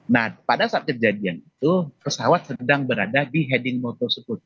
nah pada saat kejadian itu pesawat sedang berada di heading moto tersebut